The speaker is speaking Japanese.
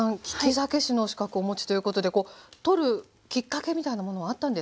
酒師の資格お持ちということで取るきっかけみたいなものはあったんですか？